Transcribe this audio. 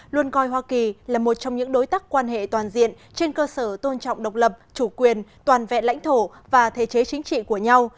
luôn coi hoa kỳ là một trong những đối tác quan hệ toàn diện trên cơ sở tôn trọng độc lập chủ quyền toàn vẹn lãnh thổ và thể chế chính trị của nhau